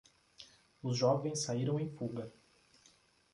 Os jovens saíram em fuga